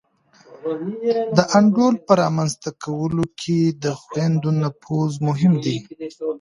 د انډول په رامنځته کولو کي د خویندو نفوذ مهم دی.